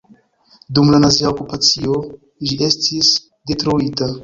Dum la nazia okupacio ĝi estis detruita.